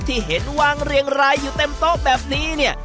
ที่เห็นวางเรียงรายอยู่เต็มโต๊ะแบบนี้เนี่ย